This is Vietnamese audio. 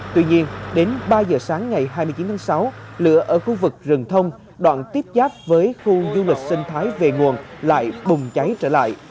tuy nhiên đến ba giờ sáng ngày hai mươi chín tháng sáu lửa ở khu vực rừng thông đoạn tiếp giáp với khu du lịch sinh thái về nguồn lại bùng cháy trở lại